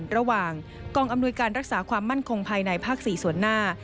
ระหว่างกองอำนวยการรักษาความมั่นคงภายในภาค๔ส่วนหน้า